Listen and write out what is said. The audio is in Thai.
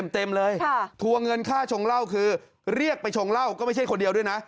เต็มเลยทัวร์เงินค่าชงเหล้าคือเรียกไปชงเหล้าก็ไม่ใช่คนเดียวด้วยนะ